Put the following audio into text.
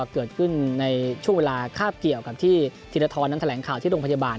เกิดขึ้นในช่วงเวลาคาบเกี่ยวกับที่ธีรทรนั้นแถลงข่าวที่โรงพยาบาล